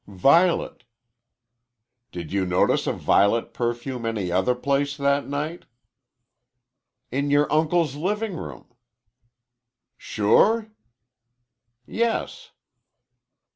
"Violet." "Did you notice a violet perfume any other place that night?" "In your uncle's living room." "Sure?" "Yes."